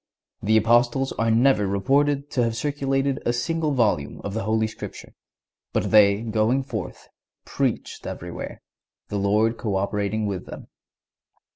The Apostles are never reported to have circulated a single volume of the Holy Scripture, but "they going forth, preached everywhere, the Lord co operating with them."